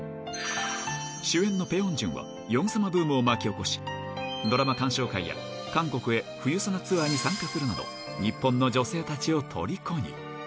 主演のペ・ヨンジュンはヨン様ブームを巻き起こし、ドラマ鑑賞会や、韓国へ冬ソナツアーに参加するなど、日本の女性たちをとりこに。